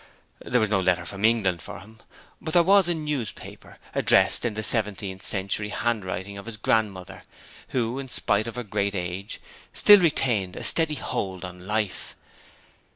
There was no letter from England for him; but there was a newspaper, addressed in the seventeenth century handwriting of his grandmother, who, in spite of her great age, still retained a steady hold on life.